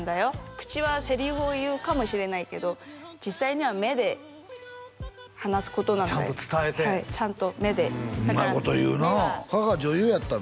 口はセリフを言うかもしれないけど実際には目で話すことなんだよちゃんと伝えてはいちゃんと目でうまいこと言うなあ母女優やったの？